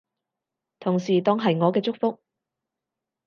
同時當係我嘅祝福